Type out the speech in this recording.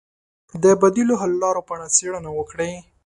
د بدیلو حل لارو په اړه څېړنه وکړئ.